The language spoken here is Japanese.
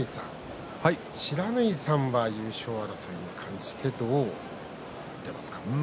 不知火さんは優勝争いに対してどうお考えですか。